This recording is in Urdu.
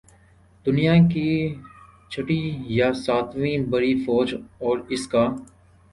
دنیا کی چھٹی یا ساتویں بڑی فوج اور اس کا